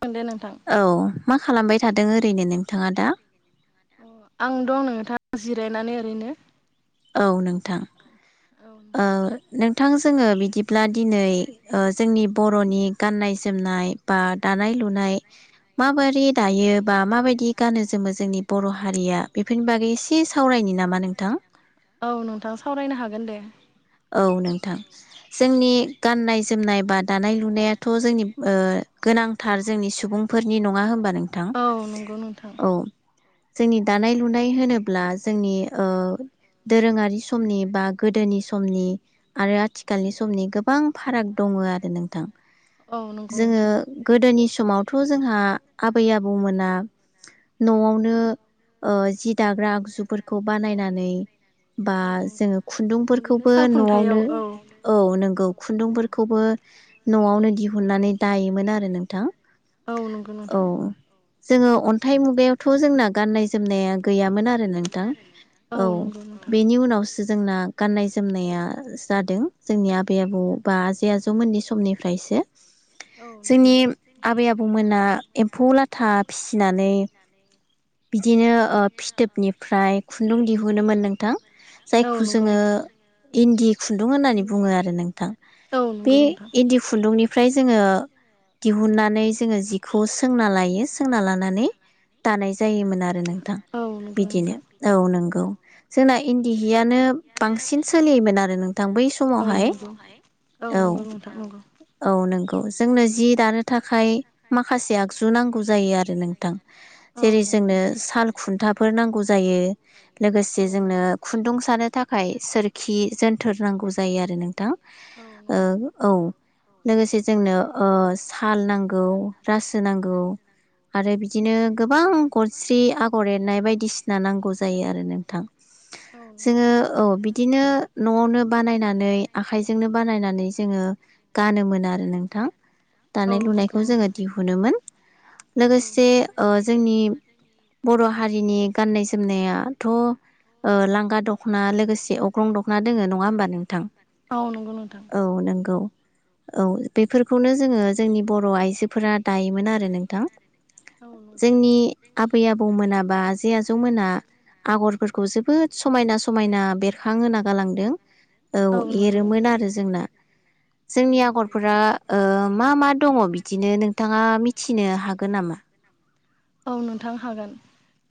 दे नोंथां औ मा खालामबाय थादों ओरैनो नोंथाङा दा? आं दं नोंथां जिरायनानै ओरैनो। औ नोंथां। औ ओ नोंथां नों थां जोङो बिदिब्ला दिनै ओ जोंनि बर'नि गाननाय जोमनाय बा दानाय लुनाय माबा माबायदि दायो बा माबायदि जोंनि गानो बर' जोमो जोंनि हारिया बर' बेफोरनि बागै एसे सावरायनि नामा हारिया नोंथां? नामा नोंथां? औ नोंथां सावरायनो हागोन दे। औ नोंथां। जोंनि गाननाय जोमनाय बा दानाय लुनायाथ' जोंनि ओ गोनांथार जोंनि सुबुंफोरनि नङा होनबा नोंथां? औ। जोंनि दानाय लुनाय होनोब्ला जोंनि ओ दोरोङारि समनि बा गोदोनि सम समनि आरो आथिखालनि समनि गोबां फाराग दङ आरो नोंथां। आरो नोंथां औ नंगौ जोङो नोंथां गोदोनि समावथ' जोंहा आबै आबौमोना न'आवनो ओ जि दाग्रा आगजुफोरखौ औ बानायनानै औ बा नंगौ नोंथां जोङो खुन्दुं न'निनो खौबो सालखुन्थायाव न'आवनो औ औ नंगौ खुन्दुंफोरखौबो खुन्दुंफोरखौबो न'आवनो दिहुननानै दायोमोन आरो नोंथां। औ नंगौ औ नोंथां। जोङो अन्थाइ मुगायाव थ' जोंना गाननाय जोमनाया गैयामोन आरो नोंथां औ नंगौ नोंथां बेनि उनावसो जोंना गाननाय जोम जोमनाया जादों जोंनि आबै आबौ बा आजै आजौमोननि समनिफ्रायसो औ नंगौ जोंनि आबै आबौमोना एम्फौ लाथा फिसिनानै बिदिनो ओ फिथोबनिफ्राय खुन्दुं दिहुनोमोन नोंथां औ जायखौ नंगौ जोङो नोंथां इन्दि खुन्दुं होना बुङो आरो नोंथां दानाय बे इन्दि खुन्दुंनिफ्राय जोङो दिहुननानै जोङो जिखौ सोंना लायो सोंना लानानै दानाय जायोमोन आरो नोंथां बिदिनो औ नंगौ जोंना इन्दि हियानो बांसिन। सोलियोमोन आरो नोंथां बै समाव। नंगौ औ नंगौ नोंथां नंगौ। गौ जोंनो जि दानो थाखाय माखासे आगजु नांगौ जायो आरो नोंथां जेरै नोंथां जोंनो साल खुन्थाफोर नांगौ जायो खुन्थि लोगोसे जोंनो खुन्दुं सानो थाखाय सोर खि जोनथोर नांगौ जायो आरो नोंथां औ नंगौ औ लोगोसे जोंनो ओ ओ साल नांगौ रासो नांगौ आरो बिदिनो गोबां गरस्रि आगर एरनाय बायदिसिना नांगौ जायो आरो नोंथां औ नंगौ जोङो नोंथां औ बिदिनो न'आवनो बानायनानै आखाइजोंनो बानायनानै जोङो गानोमोन आरो नोंथां औ दानाय नंगौ लुनायखौ नोंथां औ जोङो दिहुनोमोन लोगोसे नंगौ ओ जोंनि बर' हारिनि गाननाय जोमनायाथ' ओ लांगा दख'ना लोगोसे ग्रं दख'ना दोङो नङा होमबा नोंथां औ नंगौ नोंथां औ नंगौ औ बेफोरखौनो जोङो जोंनि बर' आइजोफोरा दायोमोन आरो नोंथां औ नंगौ जोंनि आबै आबौ मोना बा आजै आजौमोना आगरफोरखौ जोबोद समायना समायना बेर खां होना गालांदों औ एरोमोन आरो जोंना जोंनि जोंना आगरफोरा ओ मा मा दङ बिदिनो नोंथाङा मिथिनो हागोन नामा? औ नोंथां हागोन।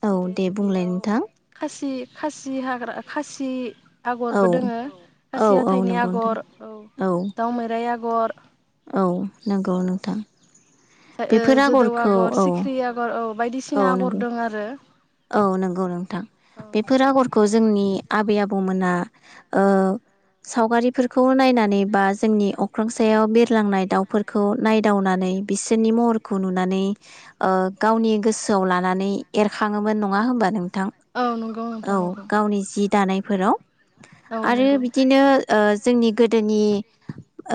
औ जेरै दे बुंलाय बेयाव नोंथां खासि खासि हाग्रा खासि औ आगरबो दोङो औ खासि औ हाथाइनि नंगौ नोंथां आगर औ औ दाउ मेराइ आगर औ। नंगौ औ नोंथां। ओ बेफोर जोदौ आगरखौ आगर औ सिख्रि आगर औ बायदिसिना औ सिना आगर नंगौ दोङो आरो। [inaudible] औ नोंगौ नोंथां औ बेफोर नंगौ नोंथां आगरखौ जोंनि आबै आबौमोनहा ओ सावगारिफोरखौ नायनानै बा जोंनि अख्रां सायाव बिरलांनाय दाउफोरखौ नायदावनानै बिसोरनि महरखौ नुनानै ओ गावनि गोसोआव लानानै एरखां खाङोमोन नङा होमबा नों थां औ नंगौ नोंथां औ नंगौ गावनि जि दानाय फोराव औ आरो नंगौ बिदिनो ओ जोंनि गोदोनि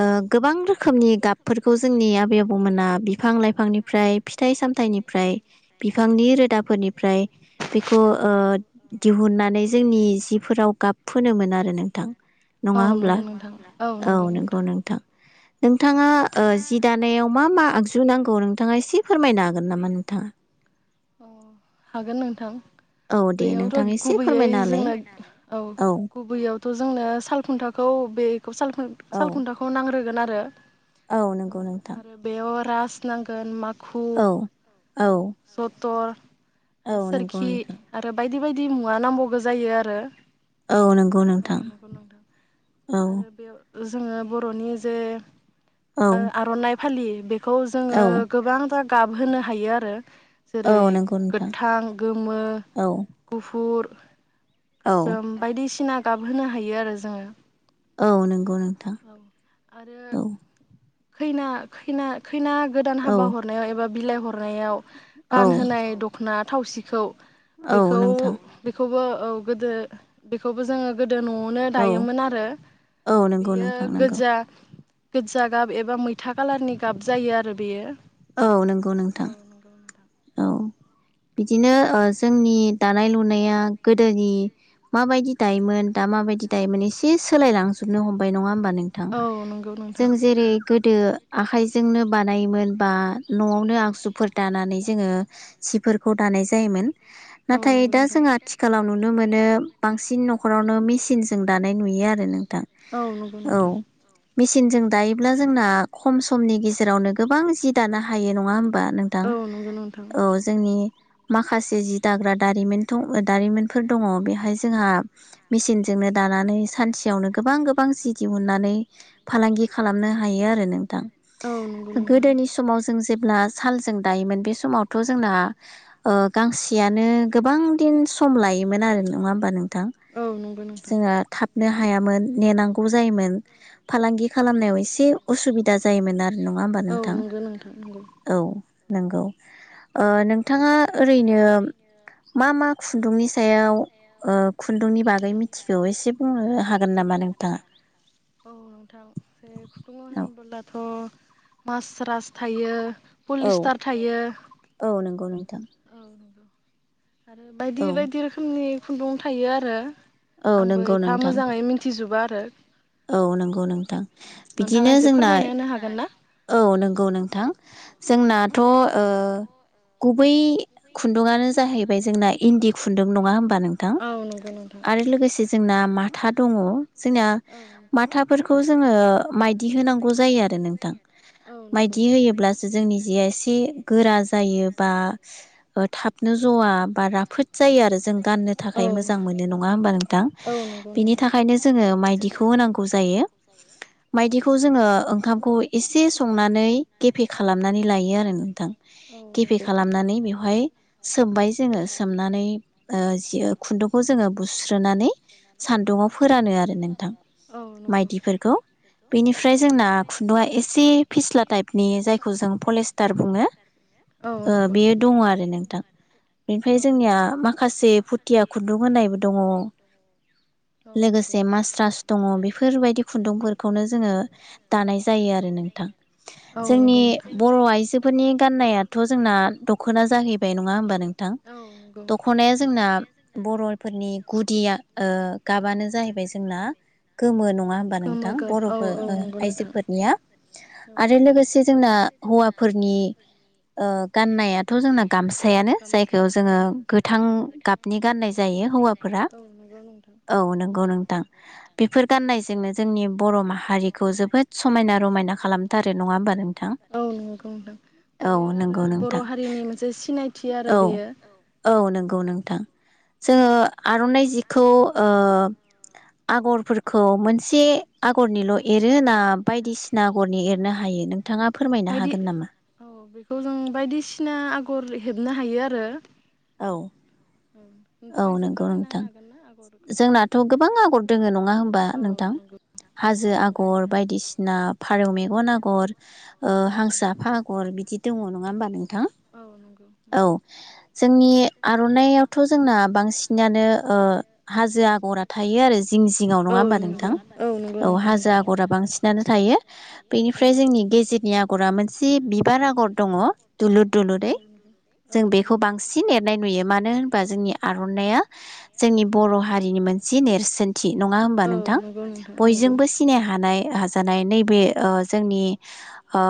ओ गोबां रोखोमनि गाबफोरखौ जोंनि आबै आबौमोना बिफां लाइफांनिफ्राय फिथाइ सामथायाइनिफ्राय बिफांनि रोदाफोरनि बेखौ ओ दिहुननानै जोंनि जिफोराव गाब फोनोमोन आरो नोंथां नङा होमब्ला औ नंगौ नोंथां नोंथां नोंथाङा ओ जि दानायाव मा मा आगजु नांगौ नोंथाङा एसे फोरमायनो हागोन नामा नोंथाङा औ हागोन नोंथां। औ दे नोंथां बेयावथ' एसे गुबैयै फोरमायना होलाय जोंना औ औ गुबैयावथ' थ' जोंनो सालखुन्थाखौ बे औ सालखुन-सालखुन्थाखौ नांग्रोगोन आरो [unintelligible] औ नंगौ नोंथां। स नांगोन मा खु, औ औ जतर औ आरो नंगौ सोरखि नोंथां आरो बायदि बायदि बायदि मुवा नांबावगो जायो आरो। औ नंगौ औ नोंथां नंगौ नोंथां औ आरो बेयाव जोङो बर'नि जे औ ओ आर'नाय फालि बे खौ जोङो औ गोबां गाबहोनो हायो आरो। औ जेरै नंगौ नोंथां गोथां, गोमो, औ गुफुर औ गोसोम बायदिसिना गाबहोनो हायो आरो जोङो। औ नंगौ नोंथां औ आरो औ। खैना खैना खैना गोदान औ हाबा हरनायाव एबा बिलाइ हरनायाव औ गानहोनाय दख'ना थावसिखौ औ बेखौ नोंथां बेखौबो औ गोदो बेखौबो जोङो गो गोदो न'आवनो औ दायोमोन आरो औ नंगौ बेयो नोंथां नंगौ गोजा गोदजा गाब एबा मैथा खालारनि गाब जायो आरो बेयो। औ औ नंगौ नोंथां नंगौ नोंथां। औ बिदिनो ओ जोंनि दानाय लुनाया गोदोनि माबायदि दायोबामोन दा माबायदि दायोमोन एसे सोलायलांजोबनो हमबाय नङा होम बा नोंथां औ नंगौ जों नोंथां जेरै गो दो आखाइजोंनो बानायोमोन बा न'आवनो आगजुफोर दानानै जोङो सिफोरखौ दानाय जायोमोन। औ नाथाय नंगौ दा नोंथां जों आथिखालाव नुनो मोनो बांसिन न'खरावनो मिसिनजों दानाय नुयो आरो नों थां मोनो बांसिन न'खरावनो जों दानाय नुयो नंगौ नोंथां दायो जोंना औ। खमनि मिसिनजों दायोब्ला जोंना खम समनि गेजेरावनो गोबां जि दानो हायो दानो नङा होम हायो बा नोंथां? नङा औ नंगौ नोंथां औ जोंनि माखासे जि दाग्रा दारिमिन थ' ओ दारिमिनफोर दङ बेहाय जोंहा मिचिनजोंनो दानानै सानसेयावनो गोबां गोबां जि दिहुननानै फालांगि खालामनो हायो आरो नोंथां। औ नंगौ नोंथां गोबां दिन गोदोनि औ समाव जों जेब ब्ला सालजों दायोमोन बे समावथ' जोंना ओ गांसेयानो गोबां दिन सम लायोमोन आरो नङा होमबा नों नंगौ नोंथां जोंहा थाब नो हायामोन नेनांगौ जायोमोन फालांगि खालामनायाव एसे एसे असुबिदा दा जायोमोन आरो नङा होमबा उसुबिदा औ नोंथां नंगौ नोंथां नंगौ औ। नोंगौ ओ नोंथाङा ओरैनो मा मा खुन्दुंनि सायाव ओ खुन्दुंनि खुन्दुंनि मिथिगौ बागै एसे मिथिगौ बुंनो एसे हागोन बुंनो नामा हागोन नोंथाङा? नामा औ नोंथां जे खुन्दुङाव औ होनबोलाथ' मास्रास थायो पलिस्टार थायो थां नोंगौ आरो बायदि बायदि रोखोमनि खुन्दुं थायो आरो औ आंबो नंगौ एफा नोंथां मोजाङै मिथिजोबा। [unintelligible] औ नंगौ नोंथां नोंथाङा बिदिनो एसे जोंना फोरमायना होनो हागोन ना औ नंगौ नोंथां औ जोंनाथ' ओ बै खुन्दुंआनो जाहै बै जोंना इन्दि खुन्दुं नङा होमबा नोंथां औ नंगौ नोंथां आरो लोगोसे जोंना माथा दङ जोंनि औ नंगौ माथाफोरखौ जोङो माइदि होनांगौ जायो आरो नोंथां औ नंगौ माइदि होयोब्लासो जोंनि जेआ एसे गोरा जायो बा थाबनो जवा बा राफोद जायो आरो जों गाननो थाखाय मोजां मोनो नङा होमबा नोंथां बिनि नोंथां थाखायनो जोङो माइ खौ होनांगौ जायो माइदिखौ जोङो ओंखामखौ एसे संनानै गेफे खालामनानै लायो आरो नोंथां औ गेफे नंगौ खालामनानै बेवहाय सोमबाय जोङो सोमनानै ओ जि खुन्दुंखौ जोङो बुस्रोनानै सान्दुंडाव फोरानो आरो नों औ नंगौ माइदिफोरखौ बेनिफ्राय जोंना खुन्दुआ एसे फिस्ला टाइपनि जायखौ जों पलेस्टार बुङो औ ओ नंगौ बेयो दङ आरो नोंथां बेनिफ्राय औ जोंनिया माखासे फुथिया खुन्दुं होनायबो दङ औ नंगौ लोगोसे मास्रास ओ बेफोरबायदि खुन्दुंफोरखौनो जोङो दानाय जायो आरो नोंथां औ जोंनि नंगौ बर' आइजोफोरनि गाननायाथ' जोंना दख'ना जाहैबाय नङा हबा नोंथां औ नंगौ दख'नाया जोंना बर'फोरनि गुदिया ओ गाबानो जाहैबाय जों [unintelligible] गोमो नङा होमबा नोंथां बर'फोर नंगौ नोंथां आइजोफोरनिया औ आरो लोगोसे जोंना हौवाफोरनि ओ गाननायाथ' जोंना गामसायानो जायखौ जोङो गोथां गाबनि गाननाय जायो हौवाफोरा औ औ नंगौ नोंथां बेफोर बेफोर गाननायजोंनो जोंनि बर' गनायजों जों माहारिखौ जोबोद बर'रिखौ समायना जोबोद रमायना समायना रमायना खालामथारो नङा होमबा खालामथारो नोंथां नङा औ नंगौ औ बेयो आरो नंगौ नोंथां बर' हारिनि मोनसे सिनायथि आरो औ बेयो औ नंगौ औंगौ नोंगौ नोंथां जोङो आर'नाइ जिखौ ओ आगर फोरखौ मोनसे आगरनिल' एरो ना बायदिसिना आगरनि एरनो हायो नोंथाङा फोरमायनो बायदि हागोन नामा? औ बेखौ जों बायदिसिना आग गर हेबनो हायो आरो औ औ औ नोंथाङा एसे नंगौ फोरमायना नोंथां होनो हागोन ना आगरखौ जोंनाथ' गोबां आगर दोङो नङा होमबा औ नोंथां नंगौ औ हाजो नंगौ आगर नोंथां बायदिसिना फारौ मेगन आगर ओ मेगन औ हांसो नंगौ आफा आगर बिदि बि दङ नङा होमबा नों नोंथां औ नंगौ औ नोंथां जोंनि आर'नाइयाथ' जोंना बांसिन ओ हाजो आगरा थायो आरो जिं जिङाव नङा होमबा नोंथां औ हाजो आगरा बांसिनानो थायो। बेनिफ्राय जोंनि गेजेरनि आगरा मोनसे बिबार आगर दङ दुुर दु औ नंगौ औ नंगौ जों बेखौ बांसिन एरनाय बा जोंनि आर'नाइया जोंनि बर' हारिनि मोनसे नेरसोनथि नङा होमबा नोंथां नोंथां बयजोंबो सिनाय हानाय हाजानाय नैबे ओ जोंनि ओ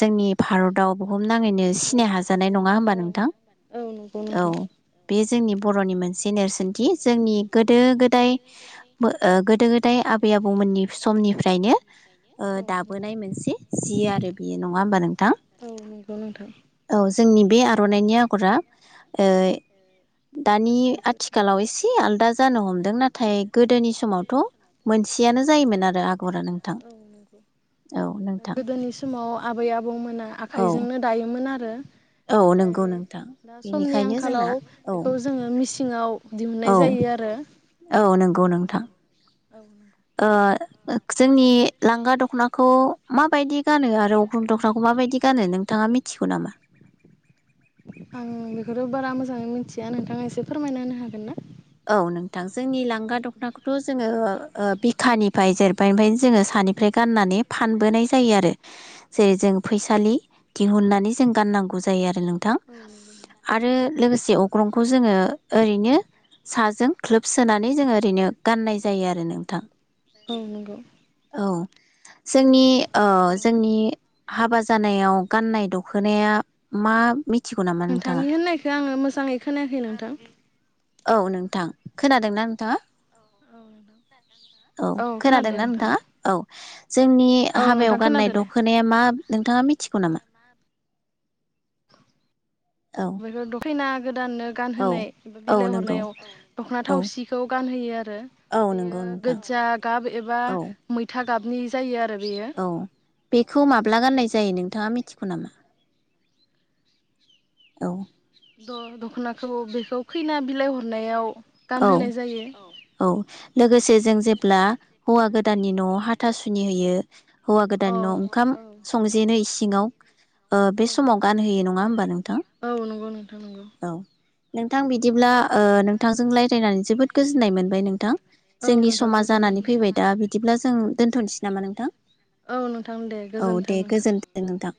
जोंनि भारताव बुुमनाङैनो सिनाय हाजानाय नङा होमबा नोंथां। नङा होमबा औ नोंथां हाजो दारिमिन बे जोंनि बर'नि मोनसे नेरसोनथि जोंनि गोदो गोदाय गोदो गोदाय आबै आबौमोननि समनिफ्रायनो ओ दाबोनाय मोनसे जि आरो बेयो नङा होमबा नोंथां। नंगौ नोंथां औ जोंनि बे आर'नाइनि आगरा ओ दानि हाजो आथिखालाव एसे आलदा जानो हमदों नाथाय गोदोनि समावथ' मोनसेयानो जायोमोन आरो आगरा नोंथां औ नंगौ औ नोंथां। गोदोनि समाव आबै आबौमोना औ आखाइजोंनो दायोमोन आरो आरो औ नाथाय नंगौ नोंथां दा समनि बेनिखायनो जोंना आंखालाव औ बेखौ जोङो मिसि सिङाव दिहुननाय औ जायो आरो औ नंगौ नोंथां औ नंगौ ओ जोंनि लांगा दख'नाखौ माबायदि गानो आरो अख्रं दख्रांखौ माबायदि गानो नोंथाङा मिथिगौ नामा? आं बेखौथ' बारा मोजाङै मिथिया नोंथाङा एसे फोरमायना होनो हागोन ना औ नोंथां जोंनि लांगा दख'नाखौथ' औ जोङो ओ बिखानिफ्राय जेरबाय ओमफ्रायनो जोङो सानिफ्राय गाननानै फानबोनाय जायो आरो जेरै जों फैसालि दिहुननानै जों गाननांगौ जायो आरो नोंथां औ नंगौ आरो लोगोसे अख ग्रंखौ जोङो ओरैनो साजों ख्लोब सोनानै जोंङो ओरैनो गाननाय जायो आरो नोंथां औ नंगौ औ जोंनि अ औ जोंनि - हाबा जानायाव गाननाय दख'नाया मा मिथि नोंथांनि होननायखौ आङो मोजाङै खोनायाखै नोंथां औ नोंथां खोनादोंना नोंथाङा? औ नोंथां औ खोनादों खोनादोंना नोंथां नोंथाङा औ जोंनि औ हाबायाव नोंथां गाननाय खोनादों दे दखनाया मा नोंथाङा मिथिगौ नामा? औ [unintelligible] गोदाननो औ गानहोनाया औ बिलाइ नंगौ हरनायाव दख'ना औ थावसिखौ गानहोयो आरो औ नंगौ बेयो नोंथां गोजा गाब एबा औ मैथा गाबनि जायो आरो बेयो औ बेखौ औ माब्ला नंगौ गाननाय जायो नोंथाङा मिथि गौ नामा औ। द' दख'नाखौ बेखौ खैना बिलाइ हरनायाव औ गानहोनाय जायो औ लोगोसे जों जेब्ला हौवा गोद दाननि न'आव हाथासुनि होयो हौवा गोदान औ न' ओंखाम औ संजेनो इसे सिङाव औ औ नंगौ नोंथां नंगौ औ नोंथां बिदिब्ला ओ नोंथां जों रायज्लायनानै जोबोद गोजोननाय मोनबाय नोंथां। औ जोंनि नोंथां समा गोजोननाय जानानै मोनबाय फैबाय दा बिदिब्ला जों दोनथ'नोसै नामा नोंथां औ नोंथां दे औ गोजोन्थों दे नोंथां गोजोनथों नोंथां।